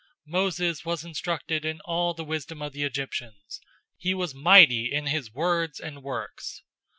007:022 Moses was instructed in all the wisdom of the Egyptians. He was mighty in his words and works.